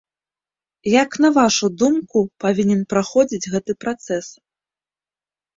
Як, на вашу думку, павінен праходзіць гэты працэс?